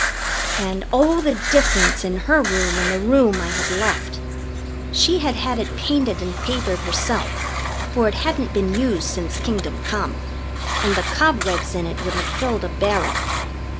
And oh, the difference in her room and the room I had left! She had had it painted and papered herself, for it hadn't been used since kingdom come, and the cobwebs in it would have filled a barrel.